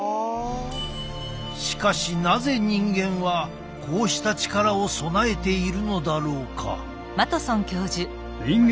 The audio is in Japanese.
しかしなぜ人間はこうした力を備えているのだろうか？